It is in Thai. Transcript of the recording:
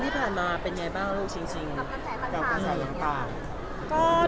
ปันมาละรูปชิงชิงเป็นยังไง